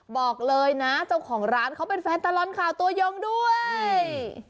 บอกเลยนะเจ้าของร้านเขาเป็นแฟนตลอดข่าวตัวยงด้วย